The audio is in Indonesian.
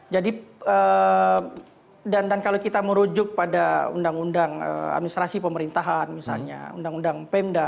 jadi dan kalau kita merujuk pada undang undang administrasi pemerintahan misalnya undang undang pemda